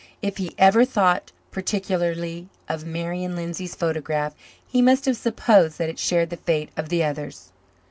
If he ever thought particularly of Marian Lindsay's photograph he must have supposed that it shared the fate of the others.